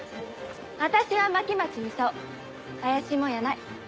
私は巻町操怪しいもんやない。